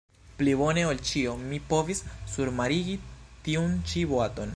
Pli bone ol ĉio mi povis surmarigi tiun-ĉi boaton.